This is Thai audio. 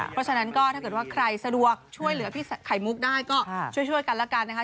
เพราะฉะนั้นก็ถ้าเกิดว่าใครสะดวกช่วยเหลือพี่ไข่มุกได้ก็ช่วยกันแล้วกันนะคะ